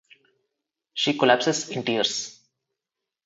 She collapses in tears.